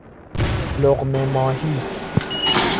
لقمه ماهی